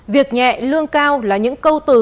việc nhẹ lương cao là những câu từ